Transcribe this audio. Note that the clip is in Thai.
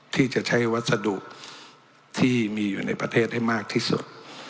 ที่จะใช้วัสดุที่มีอยู่ในประเทศให้มากที่สุด